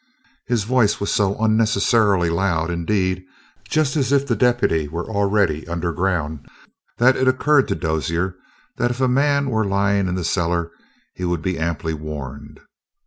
His voice was so unnecessarily loud, indeed, just as if the deputy were already under ground, that it occurred to Dozier that if a man were lying in that cellar he would be amply warned.